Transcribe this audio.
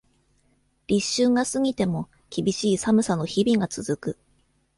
立春が過ぎても、厳しい寒さの日々が続く。